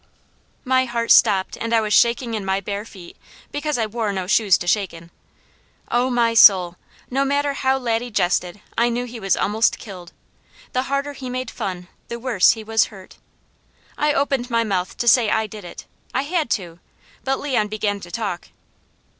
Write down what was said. '" My heart stopped and I was shaking in my bare feet, because I wore no shoes to shake in. Oh my soul! No matter how Laddie jested I knew he was almost killed; the harder he made fun, the worse he was hurt. I opened my mouth to say I did it, I had to, but Leon began to talk.